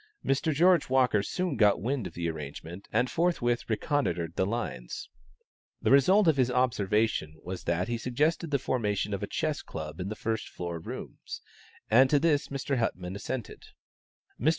Mr. George Walker soon got wind of the arrangement, and forthwith reconnoitred the lines. The result of his observations was that he suggested the formation of a chess club in the first floor rooms, and to this Mr. Huttmann assented. Mr.